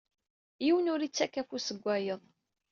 Yiwen ur ittakk afus deg wayeḍ.